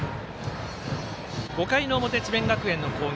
５回の表、智弁学園の攻撃。